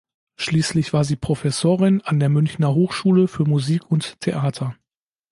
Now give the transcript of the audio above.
Schließlich war sie Professorin an der Münchner Hochschule für Musik und Theater.